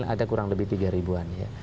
ada kurang lebih tiga ribuan ya